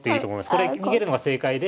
これ逃げるのが正解で。